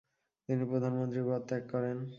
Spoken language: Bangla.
তিনি প্রধানমন্ত্রীর পদ ত্যাগ করেন।